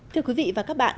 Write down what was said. thưa quý vị và các bạn